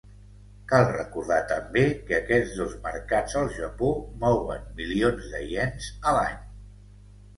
Cal recordar també que aquests dos mercats al Japó mouen milions de iens a l'any.